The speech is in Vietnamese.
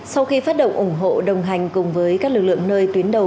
sau khi phát động ủng hộ đồng hành cùng với các lực lượng nơi tuyến đầu